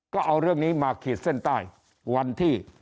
ก็เอาเรื่องนี้มาขีดเส้นใต้วันที่